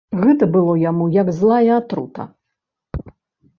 Гэта было яму, як злая атрута.